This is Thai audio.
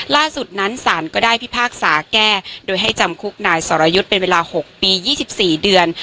ล่าสุดนั้นศาลก็ได้พิพากษาแก้โดยให้จำคุกนายสรยุทธ์เป็นเวลา๖ปี๒๔เดือน